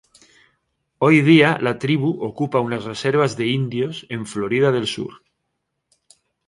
Hoy día la tribu ocupa unas reservas de indios en Florida del sur.